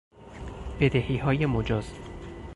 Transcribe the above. بدهیهای مجاز